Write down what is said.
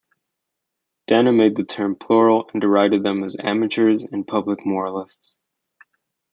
Dana made the term plural and derided them as amateurs and public moralists.